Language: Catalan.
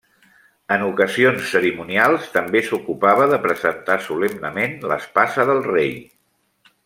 En ocasions cerimonials també s'ocupava de presentar solemnement l'espasa del rei.